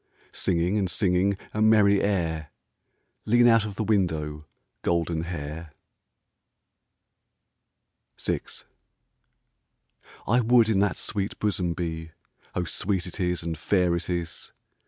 Singing and singing A merry air. Lean out of the window, Goldenhair. VI I WOULD in that sweet bosom be (O sweet it is and fair it is